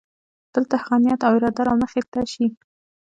دلته هغه نیت او اراده رامخې ته شي.